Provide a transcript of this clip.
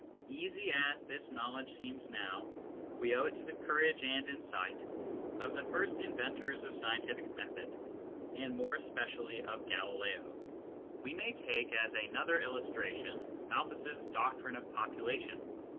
Easy as this knowledge seems now, we owe it to the courage and insight of the first inventors of scien tific method, and more especially of Galileo. SCIENCE AND CULTURE 43 We may take as another illustration Malthus s doctrine of population.